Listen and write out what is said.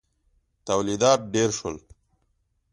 تولیدات ډېر شول.